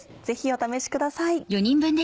ぜひお試しください。